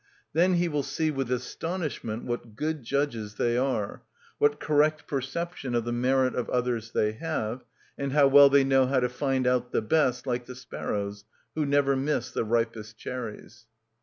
Then he will see with astonishment what good judges they are, what correct perception of the merit of others they have, and how well they know how to find out the best, like the sparrows, who never miss the ripest cherries.